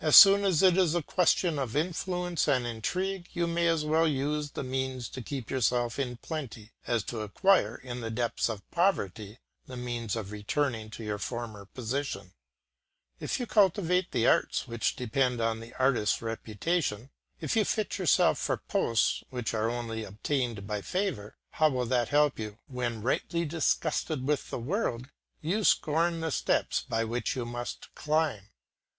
As soon as it is a question of influence and intrigue you may as well use these means to keep yourself in plenty, as to acquire, in the depths of poverty, the means of returning to your former position. If you cultivate the arts which depend on the artist's reputation, if you fit yourself for posts which are only obtained by favour, how will that help you when, rightly disgusted with the world, you scorn the steps by which you must climb.